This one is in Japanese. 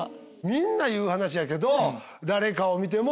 みんな言う話やけど。